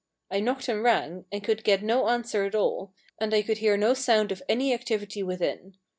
I knocked and rang, and could get no answer at all, and I could hear no sound of any activity within.